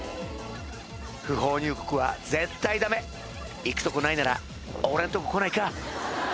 不法入国は絶対ダメ行くとこないなら俺んとこ来ないか？